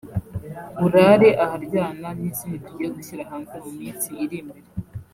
Urare aharyana n’izindi tugiye gushyira hanze mu minsi iri imbere